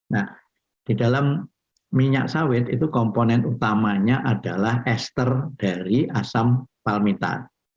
nah di dalam minyak sawit itu komponen utamanya adalah ester dari asam palmitan